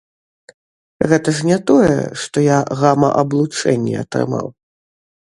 Гэта ж не тое, што я гама-аблучэнне атрымаў.